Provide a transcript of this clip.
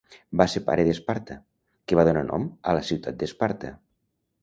Va ser pare d'Esparta, que va donar nom a la ciutat d'Esparta.